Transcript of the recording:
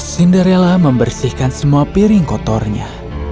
cinderella membersihkan semua piring kotornya